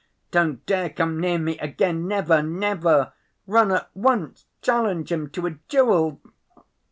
Don't dare come near me again, never, never! Run at once, challenge him to a duel!